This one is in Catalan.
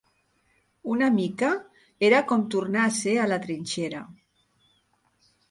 Una mica, era com tornar a ser a la trinxera